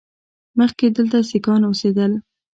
مخکې دلته سیکان اوسېدل